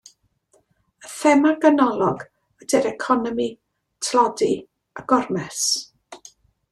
Y thema ganolog ydy'r economi, tlodi a gormes.